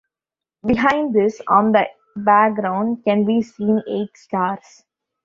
Behind this, on the background, can be seen eight stars.